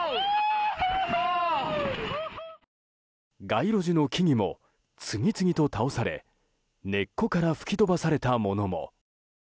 街路樹の木々も次々と倒され根っこから吹き飛ばされたものも。